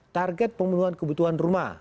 target pembunuhan kebutuhan rumah